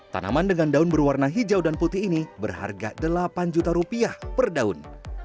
tanaman dengan daun berwarna hijau dan putih ini berharga delapan juta rupiah per daun